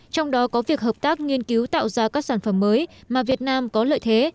trong đó có việc hợp tác nghiên cứu tạo ra các sản phẩm mới mà việt nam có lợi thế